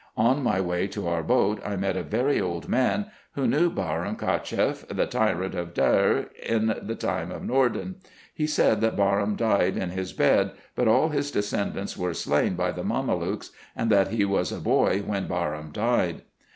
— On my way to our boat I met a very old man, who knew Baram Cacheff, the tyrant of Deir in the time of Norden. He said, that Baram died in his bed, but all his descendants were slain by the Mamelukes ; and that he was a boy when Baram died.